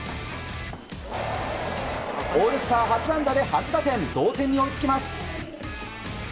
オールスター初安打で初打点同点に追いつきます。